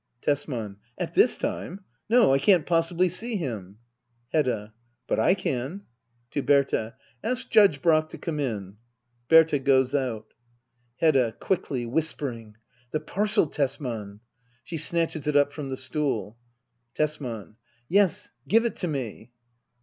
Tesman. At this time ! No, I can't possibly see him. Hedda. But I can. [To Berta.] Ask Judge Brack to come in. [Berta goes out, Hedda. [Quickli^y whispering.] The parcel, Tesman ! [She snatches it up from the stool, Tesman. Yes, give it to me